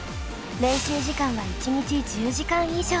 練習時間は１日１０時間以上。